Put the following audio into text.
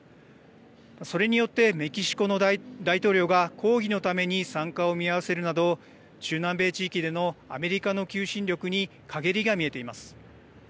それによってメキシコの大統領が抗議のために参加を見合わせるなど中南米地域でのアメリカの求心力にかげりが見えています。